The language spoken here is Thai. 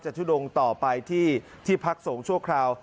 ทุดงต่อไปที่ที่พักสงฆ์ชั่วคราว